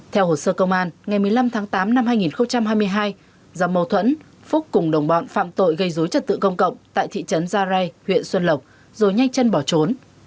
theo hồ sơ công an ngày một mươi năm tháng tám năm hai nghìn hai mươi hai do mâu thuẫn phúc cùng đồng bọn phạm tội gây dối trật tự công cộng tại thị trấn gia rai huyện xuân lộc rồi nhanh chân bỏ trốn